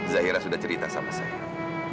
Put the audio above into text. zahira sudah cerita sama saya